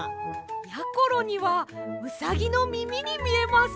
やころにはうさぎのみみにみえます。